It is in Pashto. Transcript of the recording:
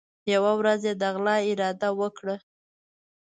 یوه ورځ یې د غلا اراده وکړه.